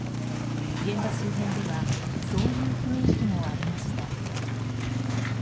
現場周辺ではそういう雰囲気もありました。